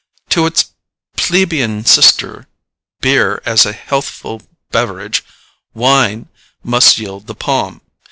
To its plebeian sister beer, as a healthful beverage, wine must yield the palm.